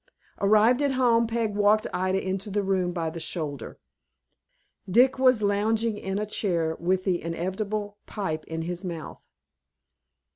Arrived at home, Peg walked Ida into the room by the shoulder. Dick was lounging in a chair, with the inevitable pipe in his mouth.